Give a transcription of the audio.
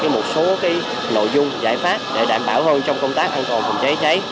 một số nội dung giải pháp để đảm bảo hơn trong công tác an toàn phòng cháy cháy